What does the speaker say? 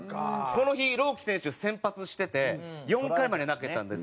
この日朗希選手先発してて４回まで投げたんですけど。